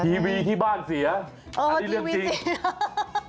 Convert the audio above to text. ทีวีที่บ้านเสียอันนี้เรื่องจริง